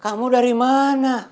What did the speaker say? kamu dari mana